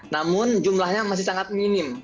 namun jumlahnya masih sangat minim